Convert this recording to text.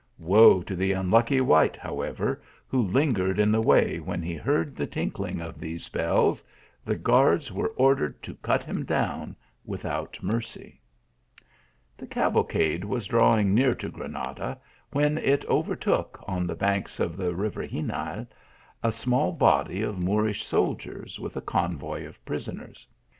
Wo to the unlucky wight, "however, who lingered in the way when he heard the tinkling of these bells tho guards were ordered to cut him down without niux v. 140 TEE ALHAMBRA. The cavalcade was drawing near to Granada, when it overtook, on the banks of the river Xenil, a small body of Moorish soldiers, with a convoy of prisoners.